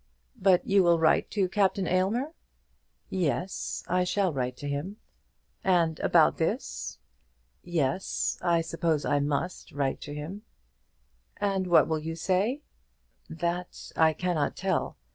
"But you will write to Captain Aylmer?" "Yes; I shall write to him." "And about this?" "Yes; I suppose I must write to him." "And what will you say?" "That I cannot tell.